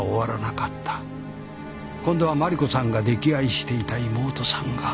今度は麻里子さんが溺愛していた妹さんが。